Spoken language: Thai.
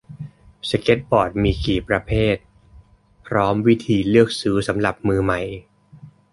สเกตบอร์ดมีกี่ประเภท พร้อมวิธีเลือกซื้อสำหรับมือใหม่